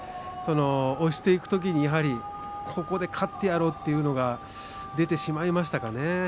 押していくときにここで勝ってやろうというのが出てしまいましたかね。